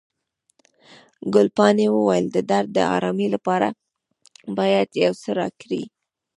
ګلپاڼې وویل، د درد د آرامي لپاره باید یو څه راکړئ.